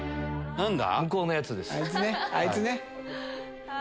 何だ？